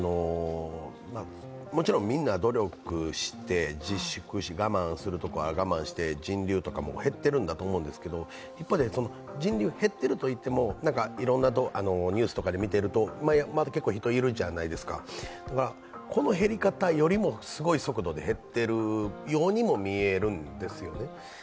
もちろん、みんな努力して自粛し、我慢するところは我慢して人流とかも減っているんだと思うんですけど、一方で人流が減っているといっても、いろいろなニュースとか見ているとまだ結構、人がいるじゃないですかこの減り方よりもすごい速度で減っているようにも見えるんですね。